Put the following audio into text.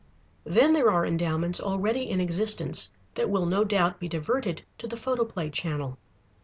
Then there are endowments already in existence that will no doubt be diverted to the photoplay channel.